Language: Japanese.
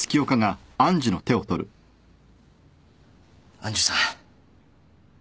愛珠さん